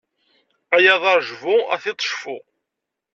Ay aḍaṛ jbu, a tiṭ cfu!